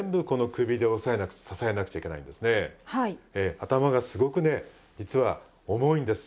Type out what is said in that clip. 頭がすごくね実は重いんです。